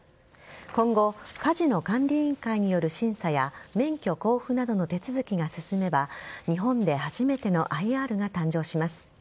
今後、カジノ管理委員会による審査や免許交付などの手続きが進めば日本で初めてのＩＲが誕生します。